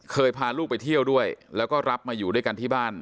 พาลูกไปเที่ยวด้วยแล้วก็รับมาอยู่ด้วยกันที่บ้าน